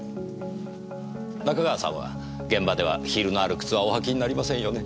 中川さんは現場ではヒールのある靴はお履きになりませんよね？